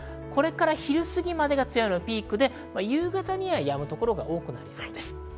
昼過ぎまでが強い雨のピークで夕方にはやむ所が多くなりそうです。